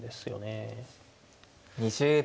２０秒。